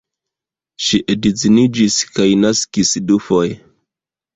Ŝi edziniĝis kaj naskis dufoje.